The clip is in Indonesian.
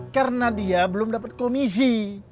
karena dia belum dapat komisi